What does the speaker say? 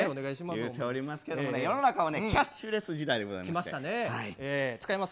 言うておりますけれども、世の中はキャッシュレス時代でございます。